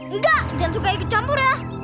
enggak jangan suka ikut campur ya